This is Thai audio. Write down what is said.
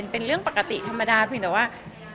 เป็นเรื่องปกติธรรมดาเพียงแต่ว่า